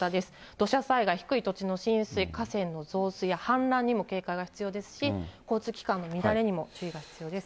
土砂災害、低い土地の浸水、河川の増水、氾濫にも警戒が必要ですし、交通機関の乱れにも注意が必要です。